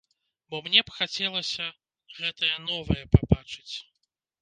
Бо мне б хацелася гэтае новае пабачыць.